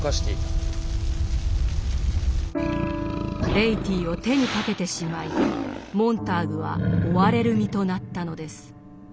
・ベイティーを手にかけてしまいモンターグは追われる身となったのです。